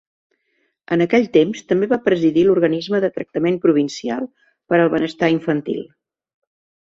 En aquell temps també va presidir l'organisme de tractament provincial per al benestar infantil.